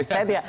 saya tidak etis